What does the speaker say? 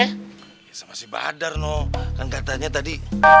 ya sama si badar noh kan katanya tadi